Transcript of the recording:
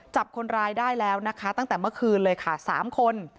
จับคนร้ายได้แล้วตั้งแต่เมื่อคืนสามคน